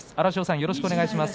よろしくお願いします。